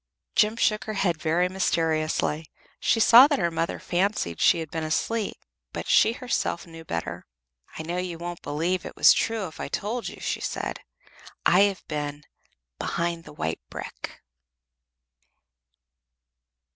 Jem shook her head very mysteriously. She saw that her mother fancied she had been asleep, but she herself knew better. "I know you wouldn't believe it was true if I told you," she said; "I have been BEHIND THE WHITE BRICK."